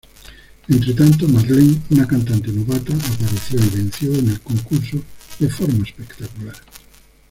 Entretanto, Marlene, una cantante novata apareció y venció en el concurso de forma espectacular.